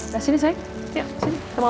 terima kasih emang